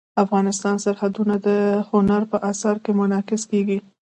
افغانستان کې سرحدونه د هنر په اثار کې منعکس کېږي.